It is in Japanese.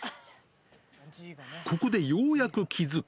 ここでようやく気付く。